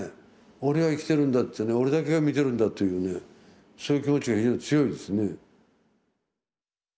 「俺は生きてるんだ」って「俺だけが見るんだ」というねそういう気持ちが非常に強いですね。